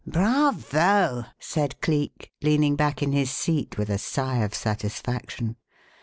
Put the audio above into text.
"Bravo!" said Cleek, leaning back in his seat, with a sigh of satisfaction.